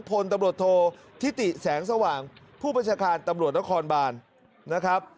พลตำรวจโทษทิติแสงสว่างผู้บัญชาการตำรวจนครบานนะครับ